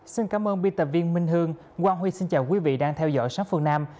xin cảm ơn biên tập viên minh hương quang huy xin chào quý vị đang theo dõi sát phương nam